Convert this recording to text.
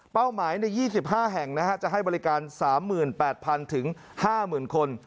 เป้าหมายใน๒๕แห่งนะครับจะให้บริการ๓๘๐๐๐๕๐๐๐๐คน